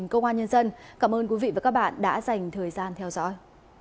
cảm ơn quý vị và các bạn đã dành thời gian theo dõi